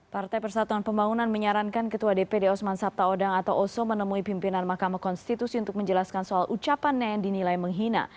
partai persatuan pembangunan menyarankan ketua dpd osman sabtaodang atau oso menemui pimpinan mahkamah konstitusi untuk menjelaskan soal ucapannya yang dinilai menghina